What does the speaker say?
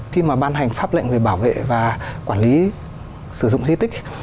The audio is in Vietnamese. khi mà ban hành pháp lệnh về bảo vệ và quản lý sử dụng di tích